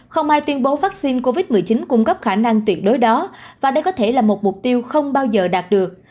không ai tuyên bố vaccine covid một mươi chín cung cấp khả năng tuyệt đối đó và đây có thể là một mục tiêu không bao giờ đạt được